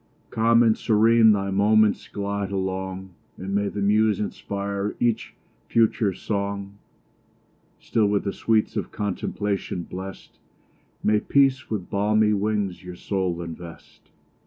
Calm and serene thy moments glide along, And may the muse inspire each future song! Still, with the sweets of contemplation bless'd, May peace with balmy wings your soul invest!